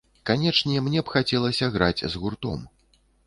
Канечне, мне б хацелася граць з гуртом.